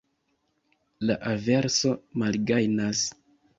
La averso malgajnas.